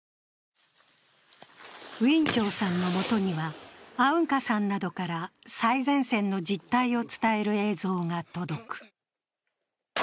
ウィン・チョウさんのもとには、アウンカさんなどから最前線の実態を伝える映像が届く。